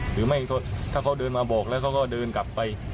หรือไม่ถ้าเขาเดินมาบอกแล้วเขาก็เดินกลับไป